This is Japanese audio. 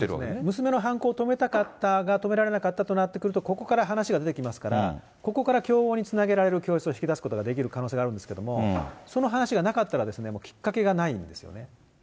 娘の犯行を止めたかったが止められなかったとなってくると、ここから話が出てきますから、ここから共謀につなげられる供述を引き出すことができる可能性があるんですけど、その話がなかったら、きっかけがないんですよね。